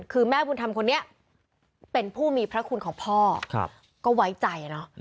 คือแม่บุญธรรมคนนี้เป็นผู้มีพระคุณของพ่อก็ไว้ใจเนอะ